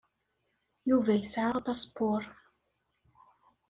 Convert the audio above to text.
Yuba yesɛa apaspuṛ.